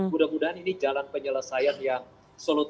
mudah mudahan ini jalan penyelesaian yang solid